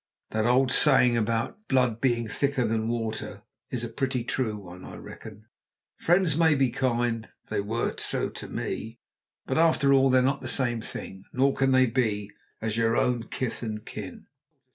That old saying about "blood being thicker than water" is a pretty true one, I reckon: friends may be kind they were so to me but after all they're not the same thing, nor can they be, as your own kith and kin.